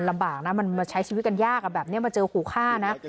มันใช้ชีวิตกันยากอะแบบนี้มาเจอขู่ฆ่านะ